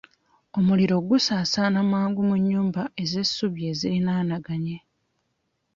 Omuliro gusaasaana mangu mu nnyumba ez'essubi eziriraanaganye.